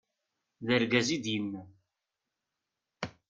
d argaz i d-yennan